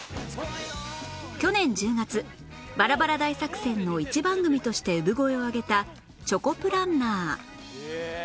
去年１０月バラバラ大作戦の一番組として産声を上げた『チョコプランナー』